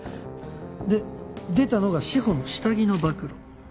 で出たのが志法の下着の暴露。